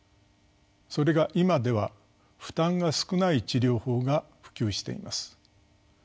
それが今では負担が少ない治療法が普及しています。